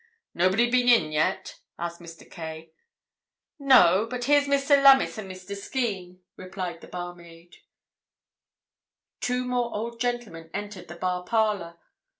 "Nobody been in yet?" asked Mr. Kaye. "No, but here's Mr. Lummis and Mr. Skene," replied the barmaid. Two more old gentlemen entered the bar parlour.